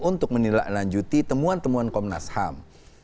untuk menilai lanjuti temuan temuan komnas ham